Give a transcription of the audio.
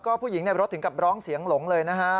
ผู้หญิงในรถถึงกับร้องเสียงหลงเลยนะฮะ